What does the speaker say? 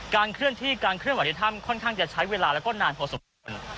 เคลื่อนที่การเคลื่อนไหวในถ้ำค่อนข้างจะใช้เวลาแล้วก็นานพอสมควร